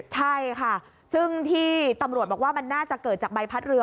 ใช่ค่ะซึ่งที่ตำรวจบอกว่ามันน่าจะเกิดจากใบพัดเรือ